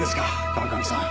川上さん。